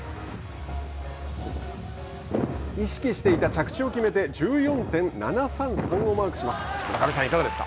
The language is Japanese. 意識していた着地を決めて１４．７３３をマークします。